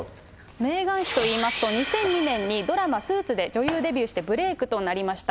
メーガン妃といいますと、２００２年にドラマ、スーツで女優デビューしてブレークとなりました。